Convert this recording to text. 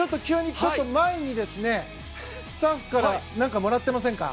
前にスタッフから何かもらってませんか？